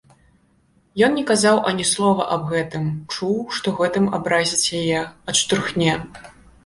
Ёй не казаў ані слова аб гэтым, чуў, што гэтым абразіць яе, адштурхне.